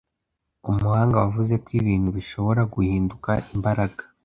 Umuhanga wavuze ko ibintu bishobora guhinduka imbaraga